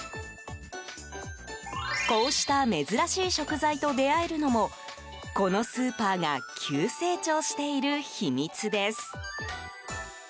こうした珍しい食材と出会えるのもこのスーパーが急成長している秘密です。